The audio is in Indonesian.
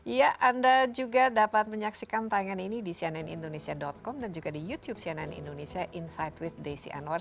ya anda juga dapat menyaksikan tayangan ini di cnnindonesia com dan juga di youtube cnn indonesia insight with desi anwar